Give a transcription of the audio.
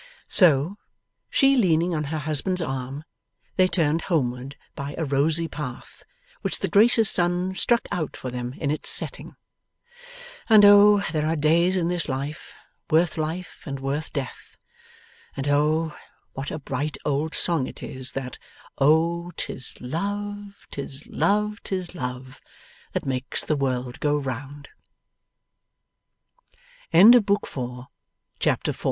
So, she leaning on her husband's arm, they turned homeward by a rosy path which the gracious sun struck out for them in its setting. And O there are days in this life, worth life and worth death. And O what a bright old song it is, that O 'tis love, 'tis love, 'tis love that ma